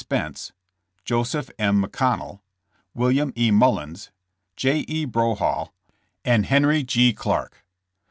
Spence, Joseph M. McConnell, William E. Mullens, J. E. Broughal and Harry G. Clark.